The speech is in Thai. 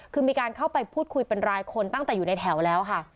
คือมีการเข้าไปพูดคุยเป็นรายคนตั้งแต่อยู่ในแถวแล้วค่ะ